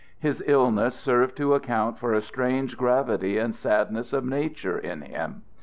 His illness served to account for a strange gravity and sadness of nature in him.